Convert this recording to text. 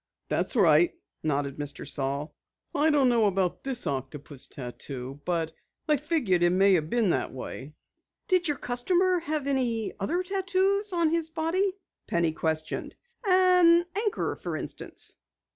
"That's right," nodded Mr. Saal. "I don't know about this octopus tattoo, but I figure it may have been that way." "Did your customer have any other tattoos on his body?" Penny questioned. "An anchor, for instance?"